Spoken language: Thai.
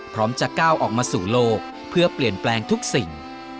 พร้อมจะก้าวออกมาสู่โลกเพื่อเปลี่ยนแปลงทุกสิ่ง